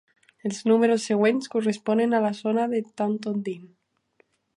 Els números següents corresponen a la zona de Taunton Deane.